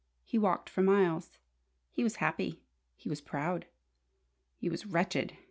He walked for miles. He was happy. He was proud. He was wretched.